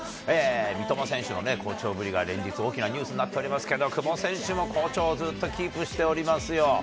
三笘選手の好調ぶりが連日、大きなニュースになっておりますけれども、久保選手も好調をずっとキープしておりますよ。